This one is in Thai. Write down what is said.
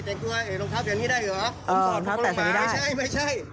เออรองเท้าแต่ใส่นี้ได้